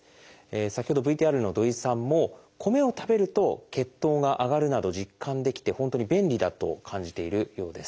先ほどＶＴＲの土井さんも米を食べると血糖が上がるなど実感できて本当に便利だと感じているようです。